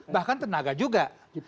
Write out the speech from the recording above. bahkan tenaga juga